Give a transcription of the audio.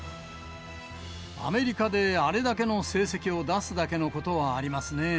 アメリカであれだけの成績を出すだけのことはありますね。